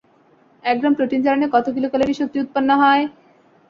এক gram protein জারণে কত কিলোক্যালোরি শক্তি উৎপন্ন হয়?